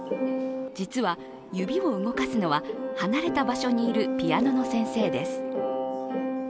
実は指を動かすのは、離れた場所にいるピアノの先生です。